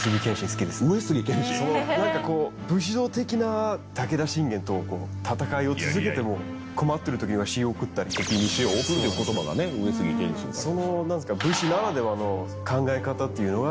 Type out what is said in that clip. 好きです何かこう武士道的な武田信玄と戦いを続けても困ってる時には塩を送ったり。という言葉がね上杉謙信から。